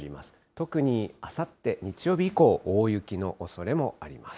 特にあさって日曜日以降、大雪のおそれもあります。